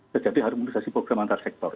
terjadi harmonisasi program antar sektor